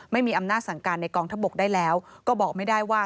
ไม่มีอำนาจสั่งการในกองทัพบกได้แล้วก็บอกไม่ได้ว่า